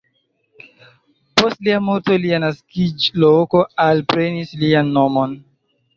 Post lia morto lia naskiĝloko alprenis lian nomon.